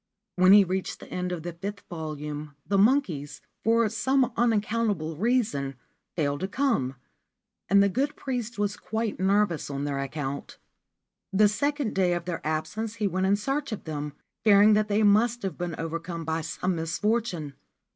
When he had reached the end of the fifth volume 133 Ancient Tales and Folklore of Japan the monkeys, for some unaccountable reason, failed to come, and the good priest was quite nervous on their account. The second day of their absence he went in search of them, fearing that they must have been overcome by some misfortune.